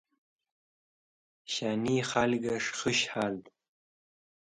Shani khalges̃h kũsh carẽn.